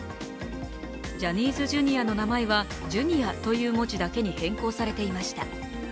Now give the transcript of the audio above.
ジャニーズＪｒ．の名前は「Ｊｒ．」という文字だけに変更されていました。